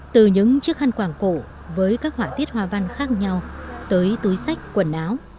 từ những chiếc khăn quảng cổ với các họa tiết hoa văn khác nhau tới túi sách quần áo